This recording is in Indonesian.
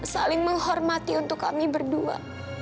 saling menghormati untuk kami berdua